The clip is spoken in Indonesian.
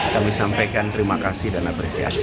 kami sampaikan terima kasih dan apresiasi